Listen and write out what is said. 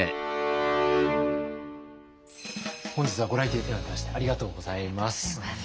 本日はご来店頂きましてありがとうございます。